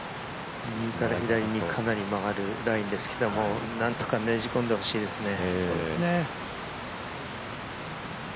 右から左に曲がるラインですけどなんとかねじ込んで欲しいですね。